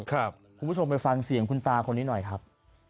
คุณผู้ชมไปฟังเสียงคุณตาคนนี้หน่อยครับ